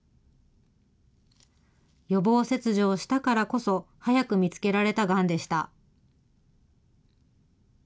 予防切除をしたからこそ早く見つけられたがんでした。